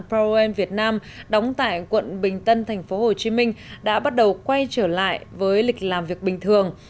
powerm vietnam đóng tại quận bình tân tp hcm đã bắt đầu quay trở lại với lịch làm việc bình thường